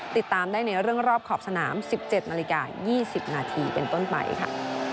ติดตามได้ในเรื่องรอบขอบสนาม๑๗นาฬิกา๒๐นาทีเป็นต้นไปค่ะ